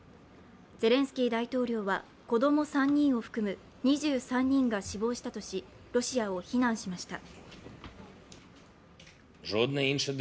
ゼレンスキー大統領は子供３人を含む２３人が死亡したとし、ロシアを非難しました。